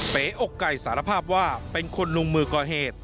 เป๋อกไก่สารภาพว่าเป็นคนลงมือก่อเหตุ